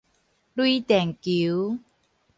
雷電球